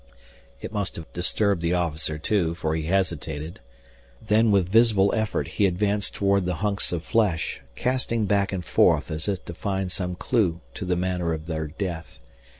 It must have disturbed the officer too, for he hesitated. Then with visible effort he advanced toward the hunks of flesh, casting back and forth as if to find some clue to the manner of their death.